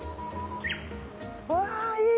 うわぁいい。